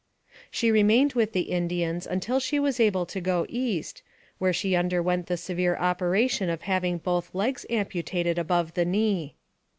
She remained with the Indians until she was able to go east, where she underwent the severe operation of having both legs amputated above the knee.